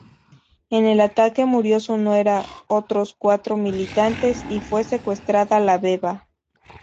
En el ataque, murió su nuera, otros cuatro militantes y fue secuestrada la beba.